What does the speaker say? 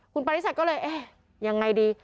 คุณปริชัดก็เลยเอ๊ะยังไงดี